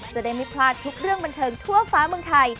จะได้ไม่พลาดทุกเรื่องบันเทิงทั่วฟ้าเมืองไทย